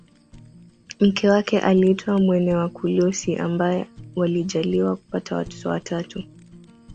Mke wake aliitwa Mwene Wakulosi ambaye walijaliwa kupata watoto watatu